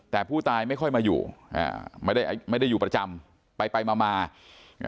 แต่ผู้ตายไม่ค่อยมาอยู่อ่าไม่ได้ไม่ได้อยู่ประจำไปไปมามาอ่า